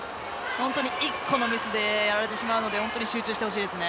本当に１個のミスでやられてしまうので本当に集中してほしいですね。